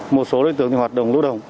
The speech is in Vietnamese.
một số đối tượng hoạt động